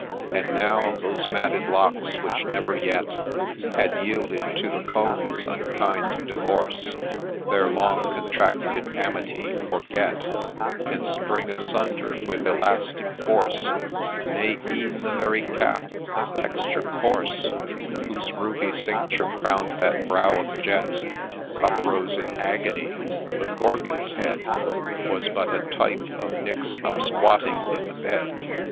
And now those matted locks, which never yet Had yielded to the comb's unkind divorce, Their long contracted amity forget, And spring asunder with elastic force ; Nay, e'en the very cap, of texture coarse, Whose ruby cincture crown'd that brow of jet, Uprose in agony — the Gorgon's head Was but A type of Nick's up squatting in the bed.